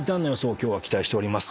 今日は期待しております。